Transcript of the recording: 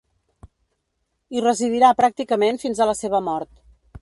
Hi residirà pràcticament fins a la seva mort.